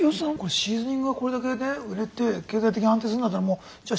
シーズニングがこれだけね売れて経済的に安定するんだったらじゃあ